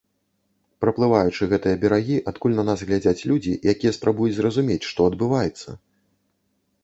Праплываючы гэтыя берагі, адкуль на нас глядзяць людзі, якія спрабуюць зразумець, што адбываецца!